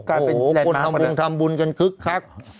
โอ้โหคนทำบุญทำบุญกันคึกคัก